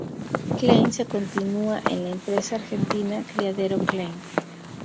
Klein se continua en la empresa argentina Criadero Klein.